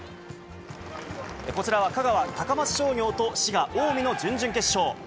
こちらは香川・高松商業と滋賀・近江の準々決勝。